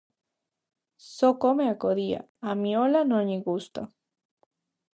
Só come a codia, a miola non lle gusta.